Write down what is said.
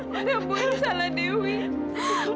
ya allah ini salah ibu